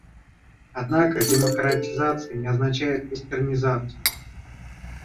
Однако демократизация не означает «вестернизацию».